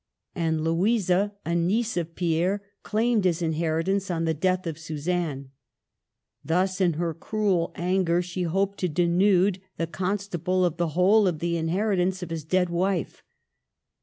And Louisa, a niece of Pierre, claimed his inheritance on the death of Suzanne. Thus in her cruel anger she hoped to denude the Constable of the whole of the heri tage of his dead wife.